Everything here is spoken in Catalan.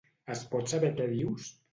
Es pot saber què dius?